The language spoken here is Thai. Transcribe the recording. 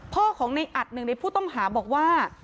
พ่อของในอัดหนึ่งในผู้ต้องหาบอกว่า